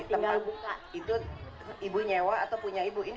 tempat sudah ada tinggal buka